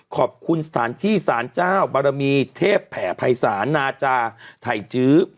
ขอบคุณสถานที่สารเจ้าบารมีเทพแผ่ภัยศาลาจาไทยจื้อ